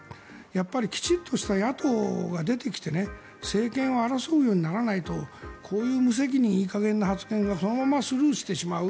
やっぱりきちんとした野党が出てきて政権を争うようにならないとこういう無責任、いい加減な発言がそのままスルーしてしまう。